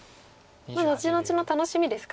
後々の楽しみですか。